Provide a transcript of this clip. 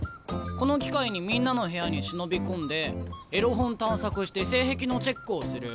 この機会にみんなの部屋に忍び込んでエロ本探索して性癖のチェックをする。